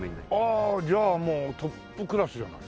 ああじゃあもうトップクラスじゃない。